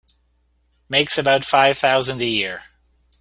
Makes about five thousand a year.